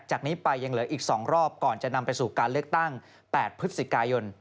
จากนี้ไปยังเหลืออีก๒รอบก่อนจะนำไปสู่การเลือกตั้ง๘พฤศจิกายน